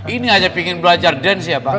ini aja pingin belajar dance ya pak